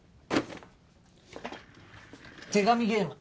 手紙ゲーム